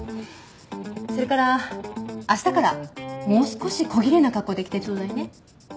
それから明日からもう少し小ぎれいな格好で来てちょうだいね。